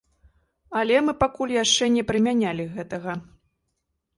Але мы пакуль яшчэ не прымянялі гэтага.